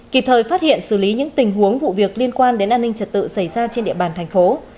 kịp thời phát hiện xử lý những tình huống vụ việc liên quan đến an ninh trật tự xảy ra trên địa bàn thành phố